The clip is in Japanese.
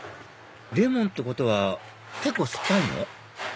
レモンってことは結構酸っぱいの？